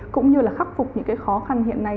cũng như là khắc phục những cái khó khăn hiện nay